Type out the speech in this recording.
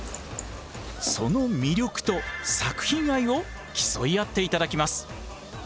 その魅力と作品愛を競い合って頂きます。